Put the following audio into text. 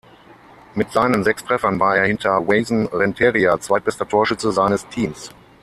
Mit seinen sechs Treffern war er hinter Wason Rentería zweitbester Torschütze seines Teams.